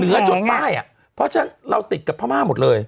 เนื้อจสก็ไออ่ะเพราะฉะนั้นเราติดกับพ่อมาหมดเลย